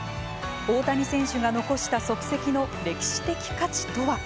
大谷選手が残した足跡の歴史的価値とは。